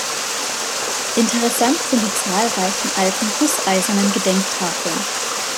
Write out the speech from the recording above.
Interessant sind die zahlreichen alten gusseisernen Gedenktafeln.